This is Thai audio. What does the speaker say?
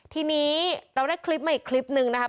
ทีนี้เราได้คลิปมาอีกคลิปนึงนะครับ